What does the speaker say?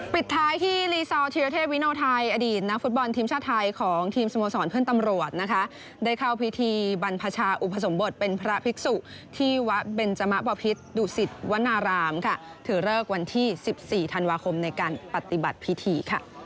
ปิดท้ายที่รีซอร์ธิรเทพวิโนไทยอดีตนักฟุตบอลทีมชาติไทยของทีมสโมสรเพื่อนตำรวจนะคะได้เข้าพิธีบรรพชาอุปสมบทเป็นพระภิกษุที่วัดเบนจมะบพิษดุสิตวนารามค่ะถือเลิกวันที่๑๔ธันวาคมในการปฏิบัติพิธี